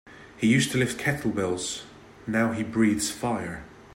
He used to lift kettlebells now he breathes fire.